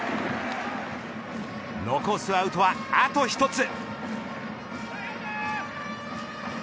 残すアウトはあと１つ。